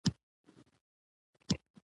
موږ د دې نظریې فلسفي بنسټونه ګورو.